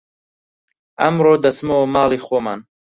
ئەمڕۆ دەچمەوە ماڵی خۆمان